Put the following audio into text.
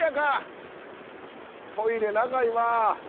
トイレ長いわ。